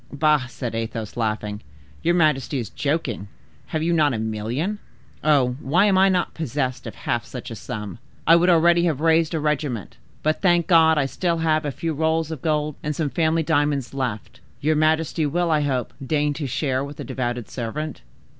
"Bah!" said Athos, laughing. "Your majesty is joking; have you not a million? Ah! why am I not possessed of half such a sum! I would already have raised a regiment. But, thank God! I have still a few rolls of gold and some family diamonds left. Your majesty will, I hope, deign to share with a devoted servant."